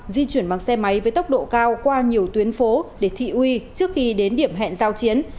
di chuyển bằng xe máy với tốc độ cao qua nhiều tuyến phố để thị uy trước khi đến điểm hẹn giao chiến